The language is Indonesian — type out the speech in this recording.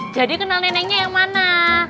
jadi kenal nenengnya yang mana